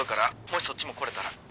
もしそっちも来れたら。